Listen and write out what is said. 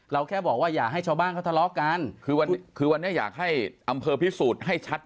แค่บอกว่าอย่าให้ชาวบ้านเขาทะเลาะกันคือวันคือวันนี้อยากให้อำเภอพิสูจน์ให้ชัด